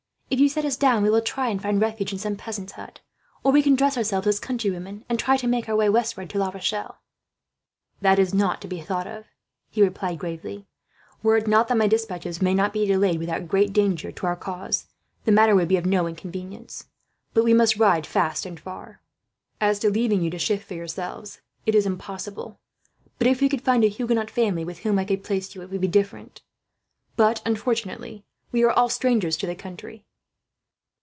If you set us down, we will try and find refuge in some peasant's hut; or we can dress ourselves as countrywomen, and try to make our way westward to La Rochelle." "That is not to be thought of," he replied gravely. "Were it not that my despatches may not be delayed, without great danger to our cause, the matter would be of no inconvenience; but we must ride fast and far. As to leaving you to shift for yourselves, it is impossible; but if we could find a Huguenot family with whom I could place you, it would be different. But unfortunately, we are all strangers to the country."